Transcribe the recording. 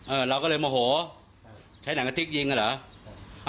อือเราก็เลยโมโหใช้หนังสติ๊กยิงหรือค่ะ